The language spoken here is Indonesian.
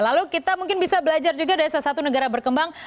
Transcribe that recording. lalu kita mungkin bisa belajar juga dari salah satu negara berkembang